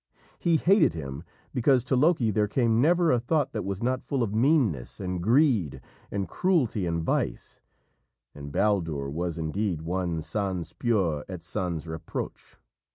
He hated him because to Loki there came never a thought that was not full of meanness and greed and cruelty and vice, and Baldur was indeed one sans peur et sans reproche.